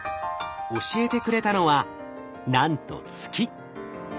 教えてくれたのはなんと月。